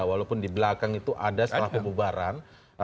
walaupun di belakang itu ada setelah pembubaran